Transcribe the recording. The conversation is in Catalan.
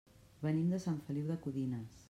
Venim de Sant Feliu de Codines.